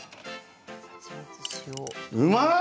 うまい！